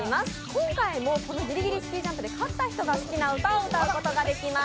今回もこの「ぎりぎりスキージャンプ」で勝った人が好きな歌を歌うことができます。